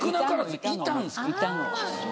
いたの。